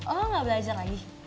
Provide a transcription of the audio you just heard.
oh gak belajar lagi